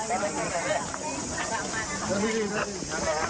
ขอบคุณครับ